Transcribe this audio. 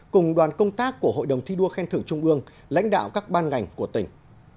cùng đoàn công tác của hội đồng thi đua khen thưởng trung ương lãnh đạo các ban ngành của tỉnh